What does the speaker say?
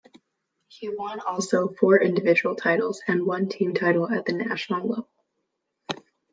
He won also four individual titles and one team title at the national level.